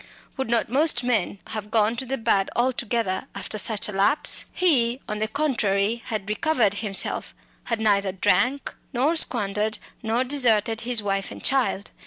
Would not most men have gone to the bad altogether, after such a lapse? He, on the contrary, had recovered himself, had neither drunk nor squandered, nor deserted his wife and child.